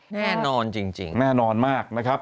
แน่นอนจริงแน่นอนมากนะครับ